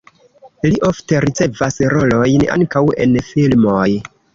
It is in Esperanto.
Li ofte ricevas rolojn ankaŭ en filmoj.